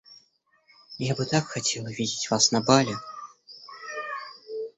Я бы так хотела вас видеть на бале.